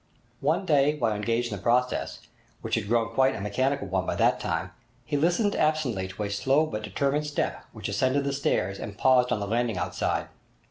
One day while engaged in the process, which had grown quite a mechanical one by that time, he listened absently to a slow but determined step which ascended the stairs and paused on the landing outside.